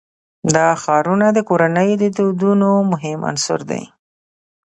دا ښارونه د کورنیو د دودونو مهم عنصر دی.